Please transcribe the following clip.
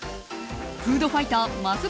フードファイターます